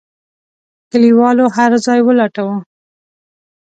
کليوالو هرځای ولټاوه.